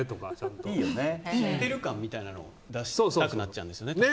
知ってる感みたいなのを出したくなっちゃうんですね。